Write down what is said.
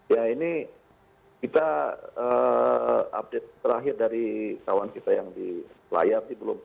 ya ini kita update terakhir dari kawan kita yang di layar sih belum